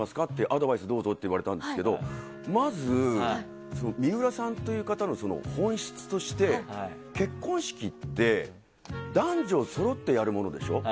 アドバイスどうぞって言われたんですけどまず、水卜さんという方の本質として結婚式って男女そろってやるものでしょ。